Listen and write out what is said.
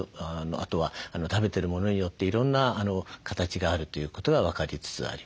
あとは食べてるものによっていろんな形があるということが分かりつつあります。